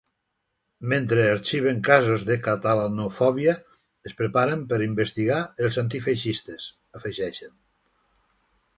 Mentre arxiven casos de catalanofòbia, es preparen per investigar els antifeixistes, afegeixen.